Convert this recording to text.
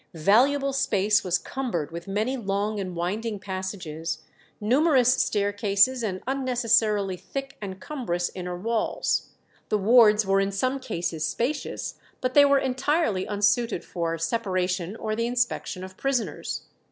Valuable space was cumbered with many long and winding passages, numerous staircases, and unnecessarily thick and cumbrous inner walls. The wards were in some cases spacious, but they were entirely unsuited for separation or the inspection of prisoners.